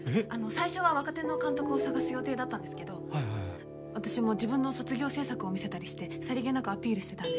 最初は若手の監督を探す予定だったんですけど私も自分の卒業制作を見せたりしてさりげなくアピールしてたんです。